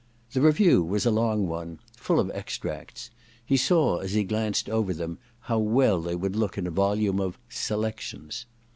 The review was a long one, full of extracts : he saw, as he glanced over these, how well they would look in a volume of * Selections.'